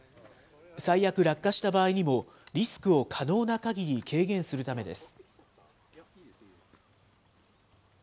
最悪、落下した場合にもリスクを可能なかぎり軽減するためです。